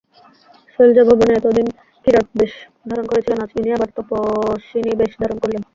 শৈলজা ভবানী এতদিন কিরাতবেশ ধারণ করেছিলেন, আজ ইনি আবার তপস্বিনীবেশ গ্রহণ করলেন।